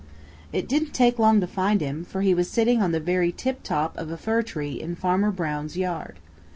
It didn't take long to find him, for he was sitting on the very tiptop of a fir tree in Farmer Brown's yard.